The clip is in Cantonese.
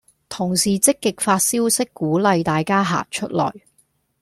同事積極發消息鼓勵大家行出來